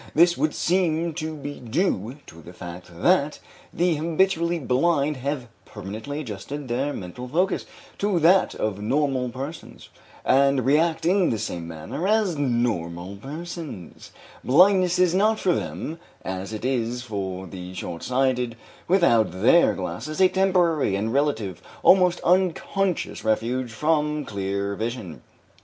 This would seem to be due to the fact that the habitually blind have permanently adjusted their mental focus to that of normal persons, and react in the same manner as normal persons; blindness is not for them, as it is for the short sighted without their glasses, a temporary and relative, almost unconscious refuge from clear vision.